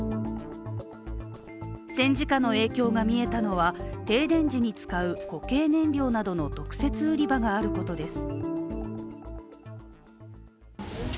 戦時下の影響が見えたのは停電時に使う固形燃料などの特設売り場があることです。